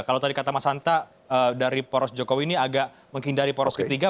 kalau tadi kata mas hanta dari poros jokowi ini agak menghindari poros ketiga